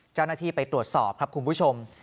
เจ้าหน้าที่ไปตรวจสอบครับคุณผู้ชม